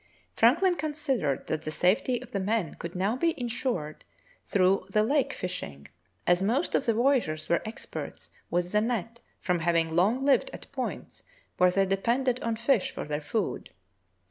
" Franklin considered that the safety of the men could now be insured through the lake fishing, as most of the voyageurs were experts with the net from having long lived at points where they depended on fish for their food.